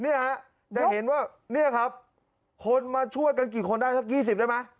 เนี่ยฮะจะเห็นว่าเนี่ยครับคนมาช่วยกันกี่คนได้สัก๒๐ได้ไหม